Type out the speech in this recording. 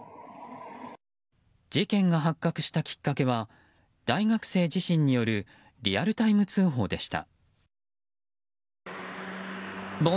事件が発覚したきっかけは大学生自身によるリアルタイム通報でした。